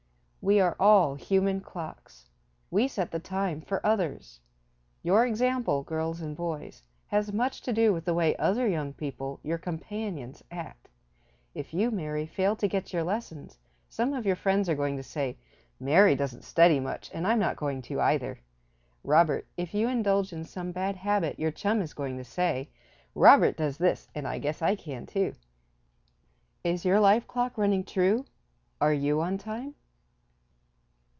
We are all human clocks. We set the time for others. Your example, girls and boys, has much to do with the way other young people, your companions, act. If you, Mary, fail to get your lessons, some of your friends are going to say, "Mary doesn't study much and I'm not going to either." Robert, if you indulge in some bad habit your chum is going to say, "Robert does this and I guess I can too." Is your life clock running true? Are you on time?